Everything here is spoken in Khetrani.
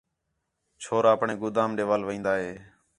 چھور آپݨے گودام ݙے وَل وین٘دا ہِے